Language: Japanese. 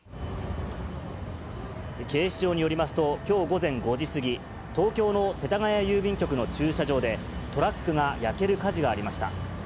警視庁によりますと、きょう午前５時過ぎ、東京の世田谷郵便局の駐車場で、トラックが焼ける火事がありました。